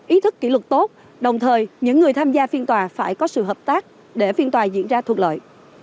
ý thức kỷ luật tốt đồng thời những người tham gia phiên tòa phải có sự hợp tác để phiên tòa diễn ra thuộc lợi